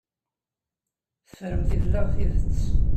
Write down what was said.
Teffremt fell-aɣ tidet.